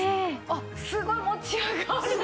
あっすごい持ち上がる！